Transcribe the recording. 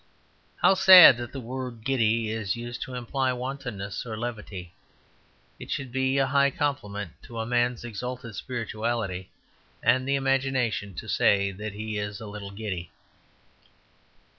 How sad that the word "giddy" is used to imply wantonness or levity! It should be a high compliment to a man's exalted spirituality and the imagination to say he is a little giddy.